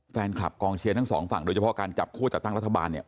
กองเชียร์ทั้งสองฝั่งโดยเฉพาะการจับคั่วจัดตั้งรัฐบาลเนี่ย